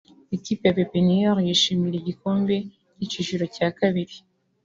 Ikipe ya Pepiniere yishimira igikombe cy'icyiciro cya kabiri